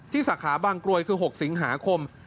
สาขาบางกรวยคือ๖สิงหาคม